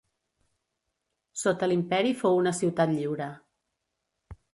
Sota l'imperi fou una ciutat lliure.